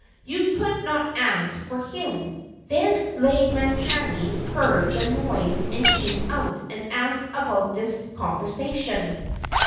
You could not ask for him." Then Lei makani heard the noise and came out and asked about this conversation.